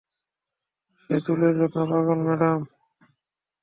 সে চুলের জন্য পাগল, ম্যাডাম।